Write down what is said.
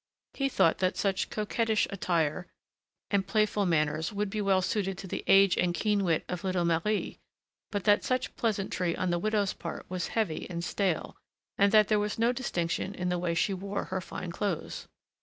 He thought that such coquettish attire and such playful manners would be well suited to the age and keen wit of little Marie, but that such pleasantry on the widow's part was heavy and stale, and that there was no distinction in the way she wore her fine clothes.